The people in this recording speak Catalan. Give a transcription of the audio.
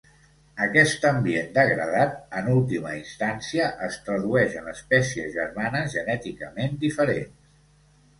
Aquest ambient degradat en última instància es tradueix en espècies germanes genèticament diferents.